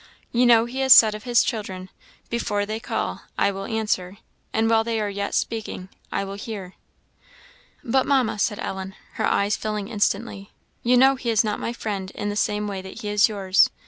You know he has said of his children 'Before they call, I will answer; and while they are yet speaking, I will hear.' " "But, Mamma," said Ellen, her eyes filling instantly, "you know he is not my friend in the same way that he is yours."